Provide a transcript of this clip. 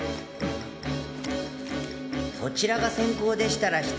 「そちらが先攻でしたら失礼」